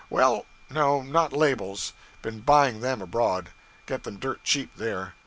Well, no, not labels: been buying them abroad get them dirt cheap there.